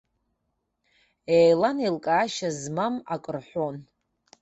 Еилан, еилкаашьа змам акы рҳәон.